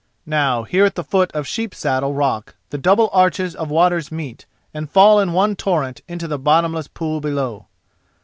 Now here at the foot of Sheep saddle rock the double arches of waters meet, and fall in one torrent into the bottomless pool below.